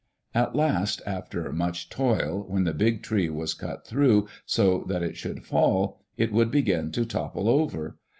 At last, after much toil, when the big tree was cut through so that it should fall, it would begin to topple over.